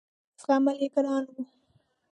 زغمل یې ګران وه.